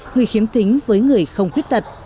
người khiếm thính với người không quyết tật